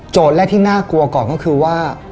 แรกที่น่ากลัวก่อนก็คือว่า